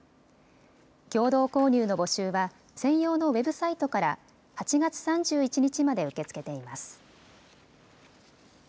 共同購入の募集は専用のウェブサイトから８月３１日まで受け付けています。